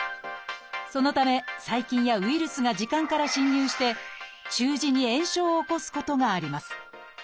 そのため細菌やウイルスが耳管から侵入して中耳に炎症を起こすことがあります。